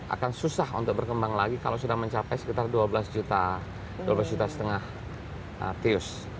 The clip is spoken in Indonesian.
akan susah untuk berkembang lagi kalau sudah mencapai sekitar dua belas juta setengah tius